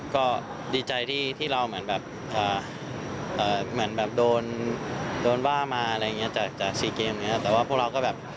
ก็ดีใจที่เราเหมือนแบบ